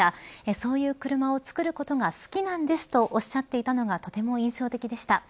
そういう車を作ることが好きなんですとおっしゃっていたのがとても印象的でした。